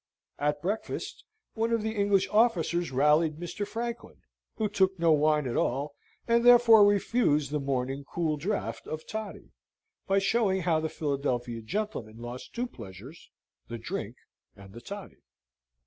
At breakfast, one of the English officers rallied Mr. Franklin, who took no wine at all, and therefore refused the morning cool draught of toddy, by showing how the Philadelphia gentleman lost two pleasures, the drink and the toddy.